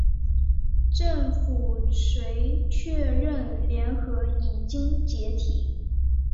政府遂确认联合已经解体。